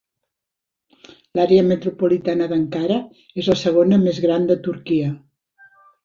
L'àrea metropolitana d'Ankara és la segona més gran de Turquia.